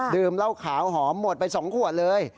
เหล้าขาวหอมหมดไป๒ขวดเลย